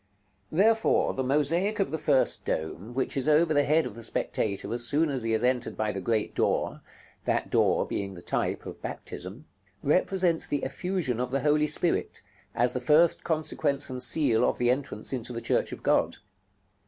§ LXVII. Therefore the mosaic of the first dome, which is over the head of the spectator as soon as he has entered by the great door (that door being the type of baptism), represents the effusion of the Holy Spirit, as the first consequence and seal of the entrance into the Church of God.